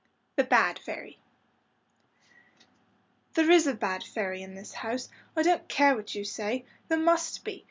"There is a bad fairy in this house. I don't care what you say. There must be.